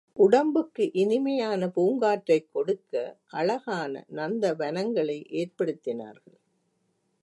உடம்புக்கு இனிமையான பூங்காற்றைக் கொடுக்க அழகான நந்தவனங்களை ஏற்படுத்தினார்கள்.